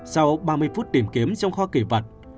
sau ba mươi phút tìm kiếm trong kho kỷ vật